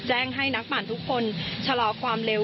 ให้นักปั่นทุกคนชะลอความเร็ว